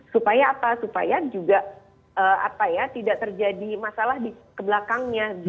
supaya apa supaya juga tidak terjadi masalah di belakangnya